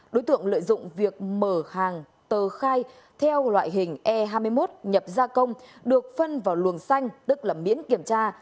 đối tượng lợi dụng việc mở hàng tờ khai theo loại hình e hai mươi một nhập gia công được phân vào luồng xanh tức là miễn kiểm tra